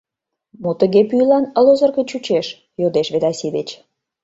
Мо тыге пӱйлан лозырге чучеш? — йодеш Ведаси деч.